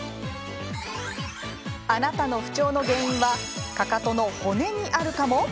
あなたの不調の原因はかかとの骨にあるかも？